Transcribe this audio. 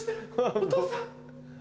お父さん。